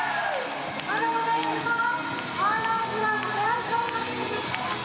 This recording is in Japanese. まだまだいきます。